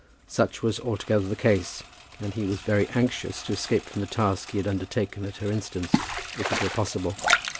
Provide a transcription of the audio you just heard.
Such was altogether the case, and he was very anxious to escape from the task he had undertaken at her instance, if it were possible.